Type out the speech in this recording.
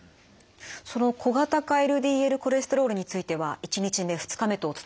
その小型化ＬＤＬコレステロールについては１日目２日目とお伝えしましたよね。